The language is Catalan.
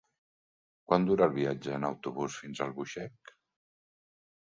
Quant dura el viatge en autobús fins a Albuixec?